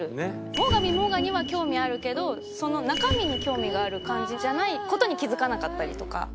最上もがには興味あるけどその中身に興味がある感じじゃない事に気付かなかったりとか。